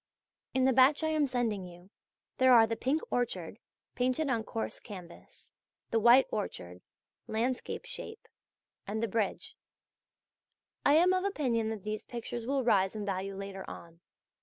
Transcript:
In the batch I am sending you there are the "Pink Orchard," painted on coarse canvas, the "White Orchard" (landscape shape); and the "Bridge." I am of opinion that these pictures will rise in value later on.